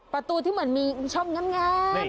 ประตูที่เหมือนมีช่องแง้ม